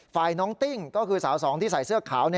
ฝ่ายน้องติ้งก็คือสาวสองที่ใส่เสื้อขาว